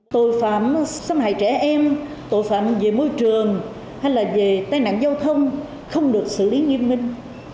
tội phạm xâm hại trẻ em tội phạm về môi trường hay là về tai nạn giao thông không được xử lý nghiêm minh